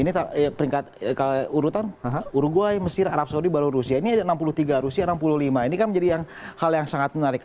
ini peringkat urutan uruguay mesir arab saudi baru rusia ini ada enam puluh tiga rusia enam puluh lima ini kan menjadi hal yang sangat menarik